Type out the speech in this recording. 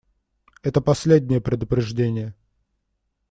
Это последнее предупреждение.